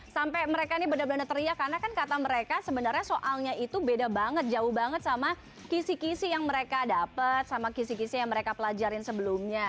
sampai mereka ini benar benar teriak karena kan kata mereka sebenarnya soalnya itu beda banget jauh banget sama kisi kisi yang mereka dapat sama kisi kisi yang mereka pelajarin sebelumnya